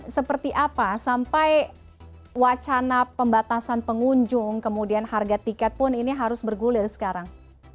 seperti apa sampai wacana pembatasan pengunjung kemudian harga tiket pun ini harus bergulir sekarang